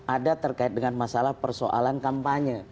ada terkait dengan masalah persoalan kampanye